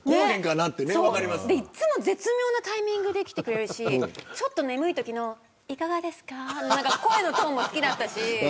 いつも絶妙なタイミングで来てくれるしちょっと眠いときのいかがですかの声のトーンも好きだったし。